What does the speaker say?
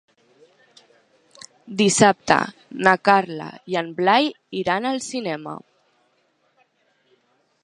Dissabte na Carla i en Blai iran al cinema.